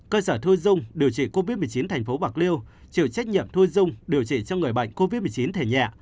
cơ sở thu dung điều trị covid một mươi chín thành phố bạc liêu chịu trách nhiệm thu dung điều trị cho người bệnh covid một mươi chín thẻ nhà